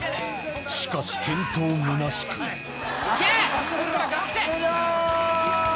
しかし健闘むなしく行け！